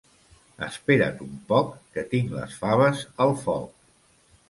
Espera't un poc que tinc les faves al foc.